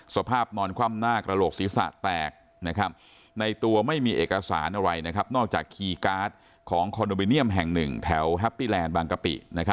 สภาพนอนคว่ำหน้ากระโหลกศีรษะแตกในตัวไม่มีเอกสารอะไรนอกจากคีย์การ์ดของคอนโดมิเนียมแห่งหนึ่งแถวแฮปปี้แลนด์บางกะปิ